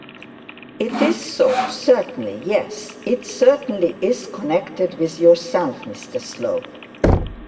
'It is so certainly, yes, it certainly is connected with yourself, Mr Slope.'